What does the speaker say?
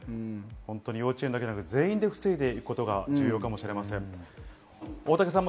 幼稚園だけではなくて全員で防いでいくことが重要かもしれません。